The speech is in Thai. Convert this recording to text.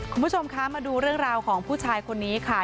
คุณผู้ชมคะมาดูเรื่องราวของผู้ชายคนนี้ค่ะ